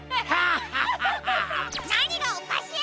なにがおかしい！